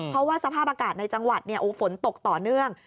เพราะว่าสภาพอากาศในจังหวัดฝนตกต่อเนื่อง